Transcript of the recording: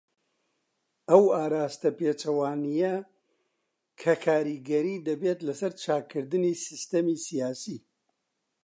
ئەو ئاراستە پێچەوانیە کە کاریگەری دەبێت لەسەر چاکردنی سیستەمی سیاسی.